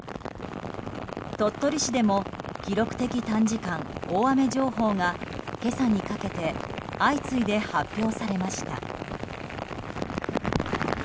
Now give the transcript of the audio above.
鳥取市でも記録的短時間大雨情報が今朝にかけて相次いで発表されました。